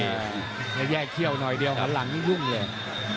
แย่แย่เขี้ยวหน่อยเดียวข้างหลังยังยุ่งแหล่ง